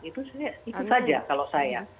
itu saja kalau saya